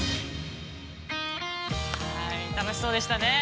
◆楽しそうでしたね。